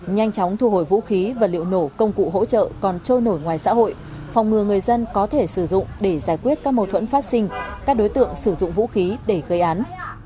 nhanh chóng thu hồi vũ khí và liệu nổ công cụ hỗ trợ còn trôi nổi ngoài xã hội phòng ngừa người dân có thể sử dụng để giải quyết các mâu thuẫn phát sinh các đối tượng sử dụng vũ khí để gây án